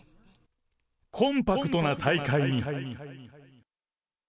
コンパクトな大会に。